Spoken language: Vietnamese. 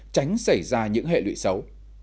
tránh xảy ra những hệ lụy xấu